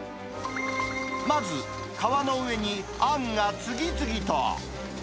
まず、皮の上にあんが次々と。